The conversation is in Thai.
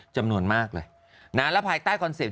จำนวนมากเลยนะแล้วภายใต้คอนเซ็ปต